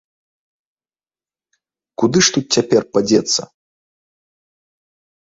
Куды ж тут цяпер падзецца?!